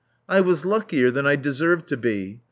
I was luckier than I deserved to be.